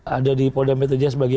ada di polda metro jaya sebagai